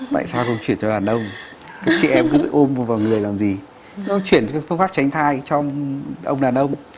tại sao không chuyển cho đàn ông các chị em cứ ôm vào người làm gì nó không chuyển phương pháp tránh thai cho ông đàn ông